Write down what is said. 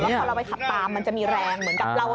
พอเราไปขับตามมันจะมีแรงเหมือนกับเรา